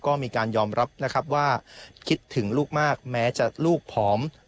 ก็มีการยอมรับว่าคิดถึงลูกมากนะแม้จะลูกพร้อม